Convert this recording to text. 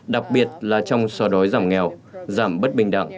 đặc biệt là trong xóa đói giảm nghèo giảm bất bình đẳng